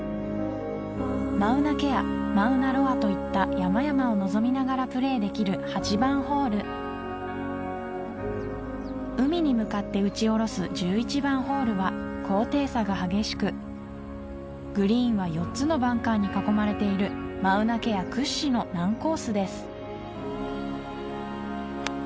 マウナケアマウナロアといった山々を望みながらプレーできる８番ホール海に向かって打ち下ろす１１番ホールは高低差が激しくグリーンは４つのバンカーに囲まれているマウナケア屈指の難コースです